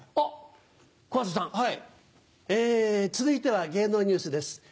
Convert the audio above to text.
続いては芸能ニュースです。